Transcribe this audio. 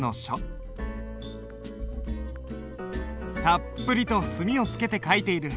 たっぷりと墨をつけて書いている。